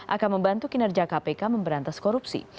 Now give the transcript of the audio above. akan membantu kinerja kpk memberantas korupsi